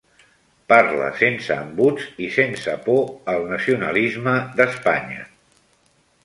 Parla sense embuts i sense por al nacionalisme d'Espanya.